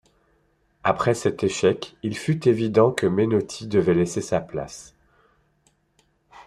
Après cet échec il fut évident que Menotti devait laisser sa place.